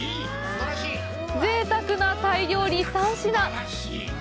ぜいたくな、鯛料理３品！